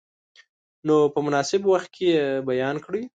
نو په مناسب وخت کې یې بیان کړئ.